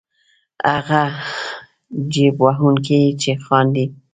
هغه جېب وهونکی چې خاندي.